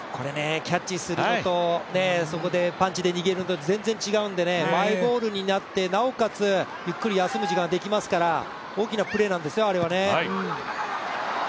キャッチするのと、パンチで逃げるのと、全然違うのでマイボールになって、なおかつゆっくり休む時間ができますから、大きなプレーなんですよ、あれは。